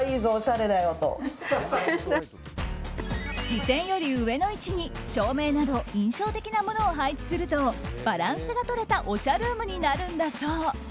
視線より上の位置に、照明など印象的なものを配置するとバランスが取れたおしゃルームになるんだそう。